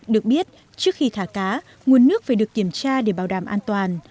được biết trước khi thả cá nguồn nước phải được kiểm tra để bảo đảm an toàn